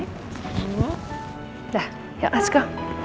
udah yuk lets go